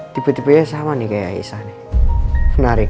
tipe tipe ya sama nih kayak aisyah nih